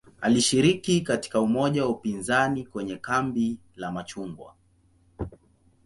Alishiriki katika umoja wa upinzani kwenye "kambi la machungwa".